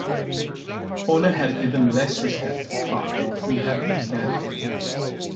Horner had even less respect for Clark than he had for Stanfield.